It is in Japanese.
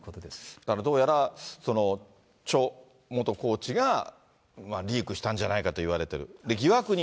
だからどうやら、そのチョ元コーチがリークしたんじゃないかと言われてる。